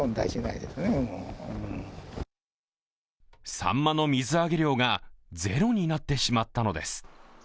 さんまの水揚げ量がゼロになってしまったのです。